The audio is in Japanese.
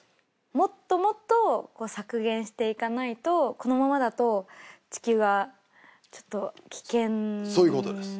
もっともっとこう削減していかないとこのままだと地球はちょっと危険そういうことです